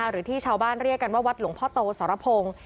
หรือที่ชาวบ้านเรียกกันว่าวัดหลวงพ่อโตสรพงศ์